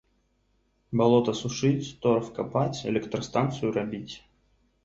Балота сушыць, торф капаць, электрастанцыю рабіць.